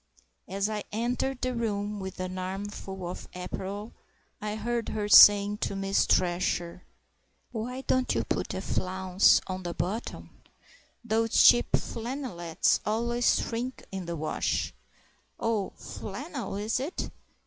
As I entered the room with an armful of apparel I heard her saying to Miss Thresher, "Why don't you put a flounce on the bottom? Those cheap flannelettes always shrink in the wash.... Oh, flannel is it?...